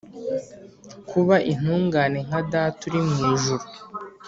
kuba intungane nka data uri mu ijuru)